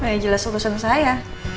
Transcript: nah ya jelas urusan saya